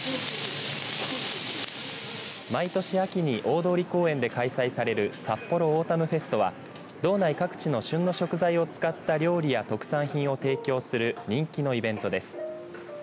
毎年、秋に大通公園で開催されるさっぽろオータムフェストは道内各地の旬の食材を使った料理や特産品を提供する人気のイベントです。